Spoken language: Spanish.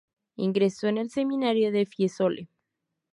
Ingresó en el Seminario de Fiesole.